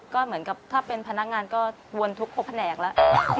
ก็เหมือนกับถ้าเป็นพนักงานก็วนทุกครบแผนกแล้ว